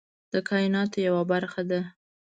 د کایناتو یوه برخه ده.